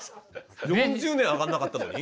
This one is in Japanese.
４０年上がんなかったのに？